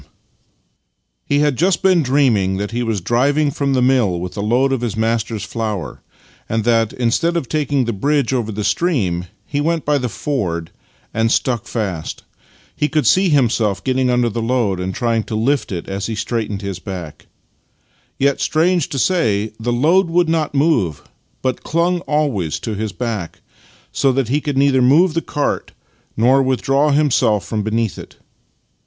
62 Master and Man He had just been dreaming that he was driving from the mill with a load of his master's flour, and that, instead of taking the bridge over the stream, he went by the ford, and stuck fast. He could see himself getting under the load and trying to lift it as he straightened his back. Yet, strange to say, the load would not move, but clung always to his back, so that he could neither move the cart nor withdraw himself from beneath it.